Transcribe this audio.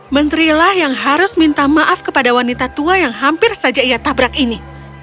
menterilah yang harus minta maaf kepada wanita tua yang hampir saja ia tabrak ini